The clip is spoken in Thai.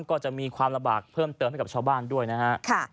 ก็จะมีความลำบากเพิ่มเติมให้กับชาวบ้านด้วยนะฮะ